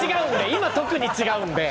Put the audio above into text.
いま特に違うんで！